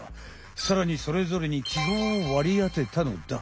さらにそれぞれに記号をわりあてたのだ。